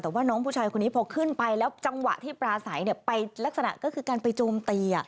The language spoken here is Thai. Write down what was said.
แต่ว่าน้องผู้ชายคนนี้พอขึ้นไปแล้วจังหวะที่ปลาใสไปลักษณะก็คือการไปโจมตี